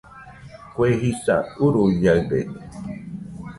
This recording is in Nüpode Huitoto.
Kue jisa uruiaɨrede